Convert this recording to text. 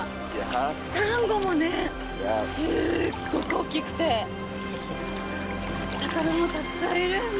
サンゴもね、すっごく大きくて、魚もたくさんいるんだ。